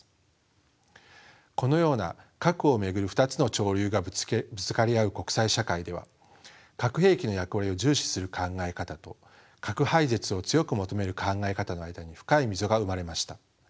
このような核を巡る２つの潮流がぶつかり合う国際社会では核兵器の役割を重視する考え方と核廃絶を強く求める考え方の間に深い溝が生まれました。